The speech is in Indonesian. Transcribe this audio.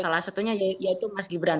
salah satunya yaitu mas gibran